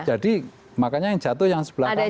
jadi makanya yang jatuh yang sebelah kanan